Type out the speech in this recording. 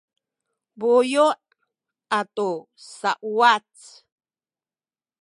buyu’ atu sauwac